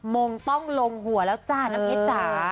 มงต้องลงหัวแล้วจ้าน้ำเพชรจ้า